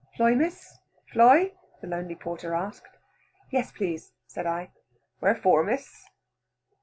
"Fly, Miss, fly?" the lonely porter asked. "Yes, please," said I. "Where for, Miss?"